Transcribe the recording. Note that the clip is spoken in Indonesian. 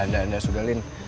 nggak sudah lin